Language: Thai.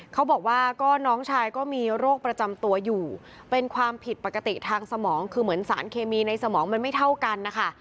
เขาบอกว่าก็น้องชายก็มีโรคประจำตัวอยู่เป็นความผิดปกติทางสมองคือเหมือนสารเคมีในสมองมันไม่เท่ากันนะคะ